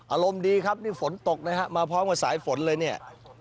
อารมณ์ดีครับนี่ฝนตกนะฮะมาพร้อมกับสายฝนเลยเนี่ย